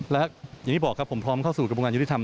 และอย่างที่บอกครับผมพร้อมเข้าสู่กระบวนการยุทธิธรรม